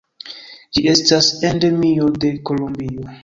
Ĝi estas endemio de Kolombio.